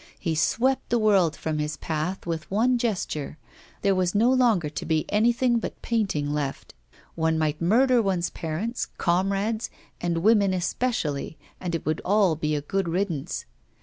He swept the world from his path with one gesture; there was no longer to be anything but painting left. One might murder one's parents, comrades, and women especially, and it would all be a good riddance.